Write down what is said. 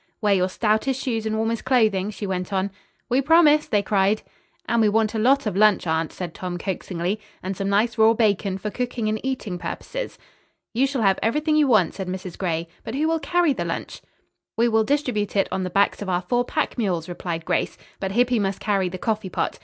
"Wear your stoutest shoes and warmest clothing," she went on. "We promise," they cried. "And we want a lot of lunch, aunt," said Tom coaxingly, "and some nice raw bacon for cooking and eating purposes." "You shall have everything you want," said Mrs. Gray, "but who will carry the lunch?" "We will distribute it on the backs of our four pack mules," replied Grace. "But Hippy must carry the coffee pot.